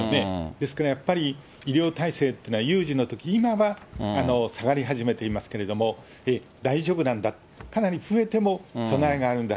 ですからやっぱり、医療体制っていうのは有事のとき、今は下がり始めていますけれども、大丈夫なんだ、かなり増えても、備えがあるんだ。